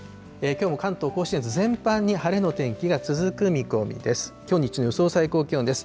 きょうも関東甲信越、全般に晴れの天気が続く見込みです。